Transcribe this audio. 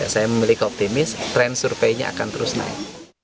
saya memiliki optimis tren surveinya akan terus naik